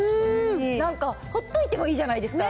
なんか、ほっといてもいいじゃないですか。